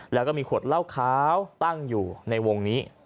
แล้วก็มีขวดเหล้าขาวตั้งอยู่ในวงนี้